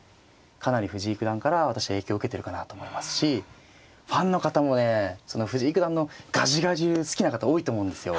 かなり藤井九段から私は影響受けてるかなと思いますしファンの方もねその藤井九段のガジガジ流好きな方多いと思うんですよ。